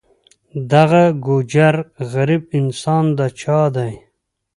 دغه ګوجر غریب انسان د چا دی.